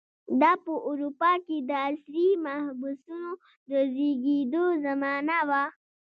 دا په اروپا کې د عصري محبسونو د زېږېدو زمانه وه.